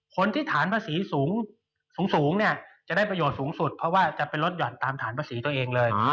คนที่ฐานภาษีสูงเนี่ยจะได้ประโยชน์สูงสุดเพราะว่าจะไปลดหย่อนตามฐานภาษีตัวเองเลย